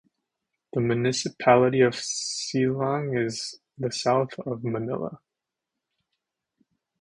The municipality of Silang is south of Manila.